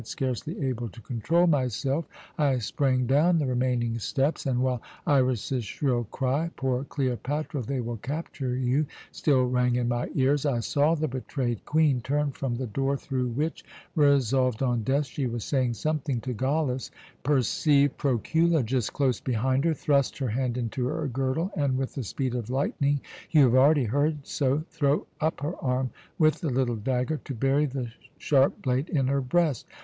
Scarcely able to control myself, I sprang down the remaining steps, and while Iras's shrill cry, 'Poor Cleopatra, they will capture you!' still rang in my ears, I saw the betrayed Queen turn from the door through which, resolved on death, she was saying something to Gallus, perceive Proculejus close behind her, thrust her hand into her girdle, and with the speed of lightning you have already heard so throw up her arm with the little dagger to bury the sharp blade in her breast.